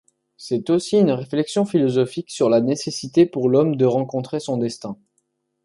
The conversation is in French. C'est aussi une réflexion philosophique sur la nécessité pour l'homme de rencontrer son destin.